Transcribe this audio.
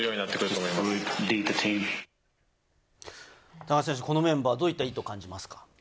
田中選手、このメンバー、どういった意図を感じますか？